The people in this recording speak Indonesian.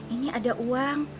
ini ada uang